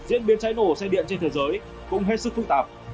tại việt nam diễn biến cháy nổ xe điện trên thế giới cũng hết sức phụ tạp